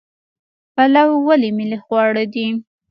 پلاو ولې ملي خواړه دي؟